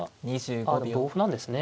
あでも同歩なんですね。